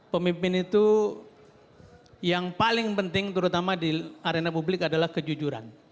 pemimpin itu yang paling penting terutama di arena publik adalah kejujuran